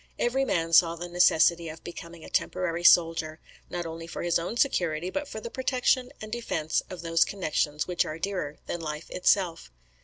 Every man saw the necessity of becoming a temporary soldier, not only for his own security, but for the protection and defence of those connexions which are dearer than life itself.